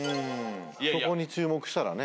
そこに注目したらね。